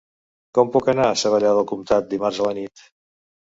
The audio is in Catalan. Com puc anar a Savallà del Comtat dimarts a la nit?